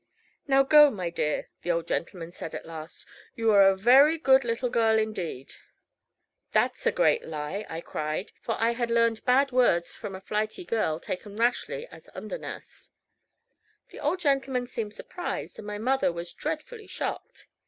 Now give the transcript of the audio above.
"Now go, my dear," the old gentleman said at last; "you are a very good little girl indeed." "That's a great lie," I cried; for I had learned bad words from a flighty girl, taken rashly as under nurse. The old gentleman seemed surprised, and my mother was dreadfully shocked.